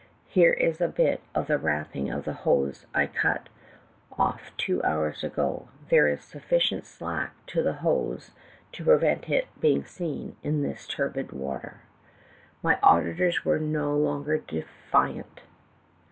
Here is a bit of the wrapping of the hose I cut off two hours ago. There is sufficient "slack" to the hose to prevent its being seen in this turbid water.' 312 THE TAEKING HANDKERCHIEF. "My auditors were no longer defiant.